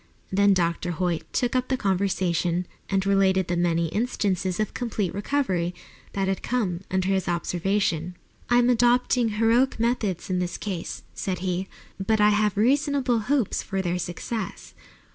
Then Dr. Hoyt took up the conversation and related the many instances of complete recovery that had come under his observation. "I am adopting heroic methods in this case," said he, "but I have reasonable hopes of their success.